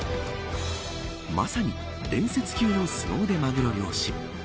まさに伝説級のすご腕マグロ漁師。